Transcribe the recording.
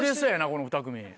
この２組。